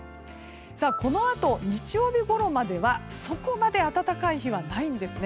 このあと日曜日ごろまではそこまで暖かい日はないんです。